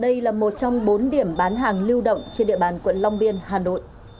đây là một trong bốn điểm bán hàng lưu động trên địa bàn quận long biên hà nội